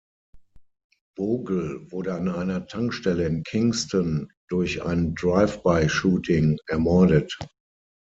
Bogle wurde an einer Tankstelle in Kingston durch ein Drive-by-Shooting ermordet.